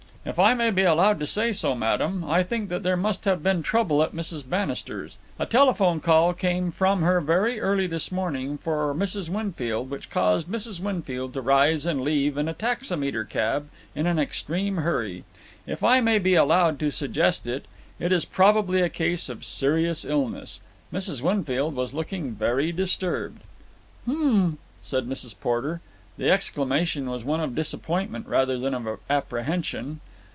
"If I may be allowed to say so, madam, I think that there must have been trouble at Mrs. Bannister's. A telephone call came from her very early this morning for Mrs. Winfield which caused Mrs. Winfield to rise and leave in a taximeter cab in an extreme hurry. If I might be allowed to suggest it, it is probably a case of serious illness. Mrs. Winfield was looking very disturbed." "H'm!" said Mrs. Porter. The exclamation was one of disappointment rather than of apprehension.